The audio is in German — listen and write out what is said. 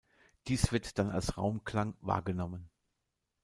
Dies wird dann als Raumklang wahrgenommen.